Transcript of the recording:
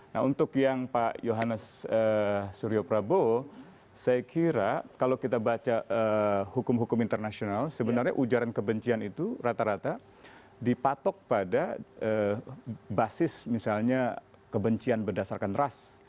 nah untuk yang pak yohanes suryo prabowo saya kira kalau kita baca hukum hukum internasional sebenarnya ujaran kebencian itu rata rata dipatok pada basis misalnya kebencian berdasarkan ras